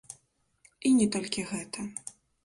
І не толькі гэта.